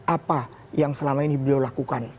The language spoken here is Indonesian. apa yang selama ini beliau lakukan